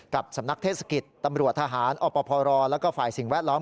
กับสำนักเทศกิจตำรวจทหารอพรแล้วก็ฝ่ายสิ่งแวดล้อม